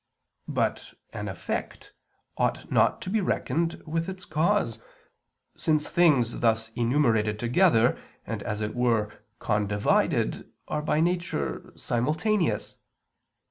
But an effect ought not to be reckoned with its cause; since things thus enumerated together, and, as it were, condivided, are by nature simultaneous.